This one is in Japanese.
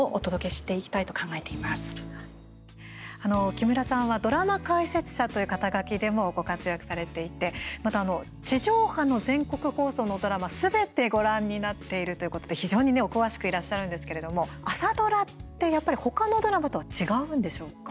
木村さんはドラマ解説者という肩書でもご活躍されていてまた、地上波の全国放送のドラマすべてご覧になっているということで非常にお詳しくいらっしゃるんですけれども朝ドラってやっぱり他のドラマとは違うんでしょうか。